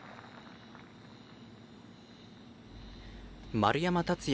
丸山達也